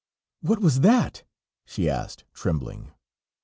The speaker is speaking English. "What was that?" she asked, trembling.